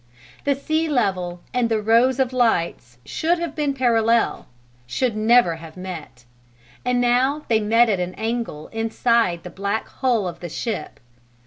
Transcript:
The sea level and the rows of lights should have been parallel should never have met and now they met at an angle inside the black hull of the ship.